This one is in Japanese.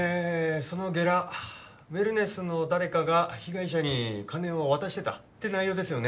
そのゲラウェルネスの誰かが被害者に金を渡してたって内容ですよね